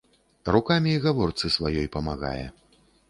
Рукамі гаворцы сваёй памагае.